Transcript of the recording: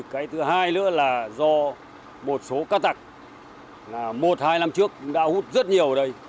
cái thứ hai nữa là do một số ca tặc là một hai năm trước đã hút rất nhiều ở đây